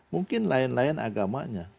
mungkin lain lain agamanya